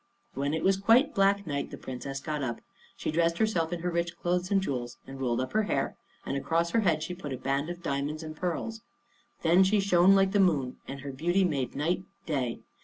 When it was quite black night the Princess got up. She dressed herself in her rich clothes and jewels, and rolled up her hair, and across her head she put a band of diamonds and pearls. Then she shone like the moon and her beauty made night day.